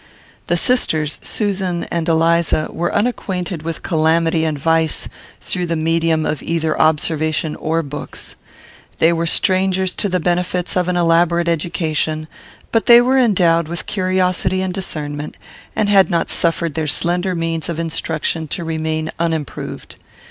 The sisters, Susan and Eliza, were unacquainted with calamity and vice through the medium of either observation or books. They were strangers to the benefits of an elaborate education, but they were endowed with curiosity and discernment, and had not suffered their slender means of instruction to remain unimproved.